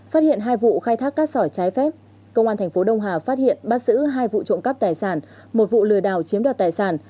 phát hiện hai vụ khai thác cát sỏi trái phép công an thành phố đông hà phát hiện bắt giữ hai vụ trộm cắp tài sản một vụ lừa đảo chiếm đoạt tài sản